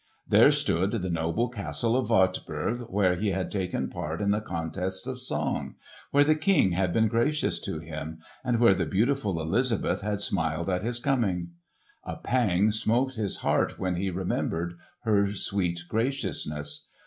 There stood the noble castle of Wartburg where he had taken part in the contests of song; where the King had been gracious to him; and where the beautiful Elizabeth had smiled at his coming. A pang smote his heart when he remembered her sweet graciousness.